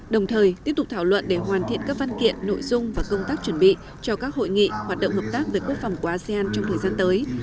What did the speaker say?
đồng thời tiếp tục thảo luận để hoàn thiện các văn kiện nội dung và công tác chuẩn bị cho các hội nghị hoạt động hợp tác về quốc phòng của asean trong thời gian tới